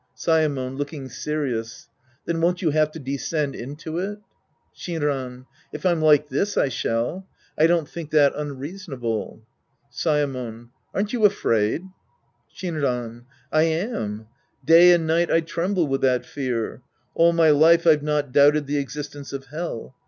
Saemon {looking serious). Then won't you have to descend into it ? Shinran. If I'm like this, I shall. I don't think that unreasonable. Saemon. Aren't you afraid ? Shinran. I am. Day and night I tremble with that fear. All my life I've not doubted the existence of Hell.